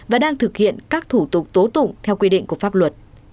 và đang thực hiện các thủ tục tố tụng theo quy định của pháp luật